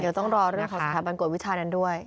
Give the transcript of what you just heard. เดี๋ยวต้องรอเรื่องของสถาบันกวดวิชานั้นด้วย